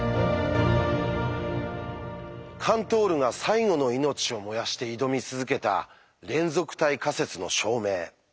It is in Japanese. カントールが最後の命を燃やして挑み続けた「連続体仮説」の証明。